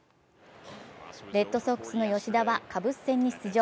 レッドソックスの吉田はカブス戦に出場。